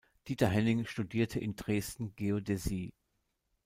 Dieter Hennig studierte in Dresden Geodäsie.